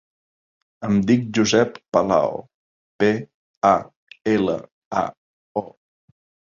Em dic Josep Palao: pe, a, ela, a, o.